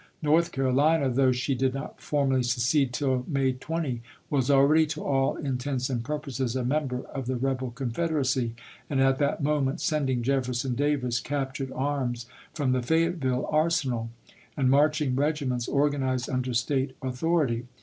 North Carolina (though she did not formally secede till May 20) was al ready to all intents and purposes a member of the rebel Confederacy, and at that moment sending Jefferson Davis captured arms from the Fayette ville arsenal, and marching regiments organized under State authority.